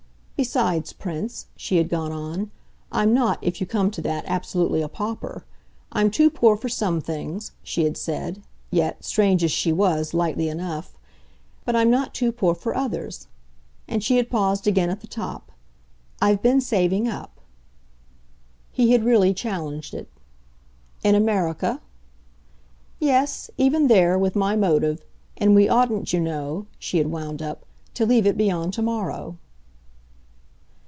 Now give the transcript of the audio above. Besides, Prince," she had gone on, "I'm not, if you come to that, absolutely a pauper. I'm too poor for some things," she had said yet, strange as she was, lightly enough; "but I'm not too poor for others." And she had paused again at the top. "I've been saving up." He had really challenged it. "In America?" "Yes, even there with my motive. And we oughtn't, you know," she had wound up, "to leave it beyond to morrow."